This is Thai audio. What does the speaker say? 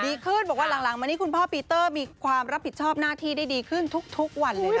ดีขึ้นบอกว่าหลังมานี้คุณพ่อปีเตอร์มีความรับผิดชอบหน้าที่ได้ดีขึ้นทุกวันเลยค่ะ